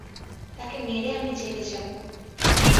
তাকে মেরে আমি জেলে যাব।